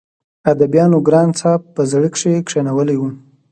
اديبانو ګران صاحب په زړه کښې کښينولی وو